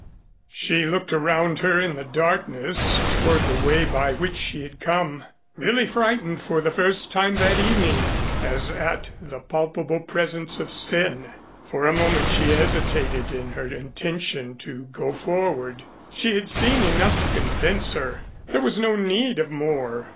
She looked around her in the darkness toward the way by which she had come, really frightened for the first time that evening as at the palpable presence of sin. For a moment she hesitated in her intention to go forward. She had seen enough to convince her. There was no need of more.